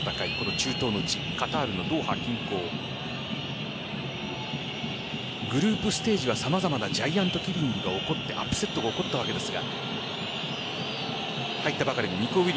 中東の地・カタールドーハ近郊グループステージでは様々なジャイアントキリングが起こってアップセットが起こったわけですが。